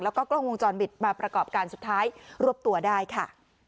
แล้วก็กล้องวงจรปิดมาประกอบการสุดท้ายรวบตัวได้ค่ะ